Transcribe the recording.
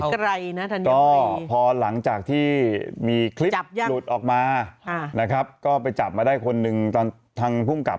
ก็พอหลังจากที่มีคลิปหลุดออกมานะครับก็ไปจับมาได้คนหนึ่งทางพุ่งกลับ